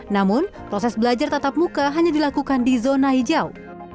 namun proses belajar tatap muka hanya dilakukan di zona hijau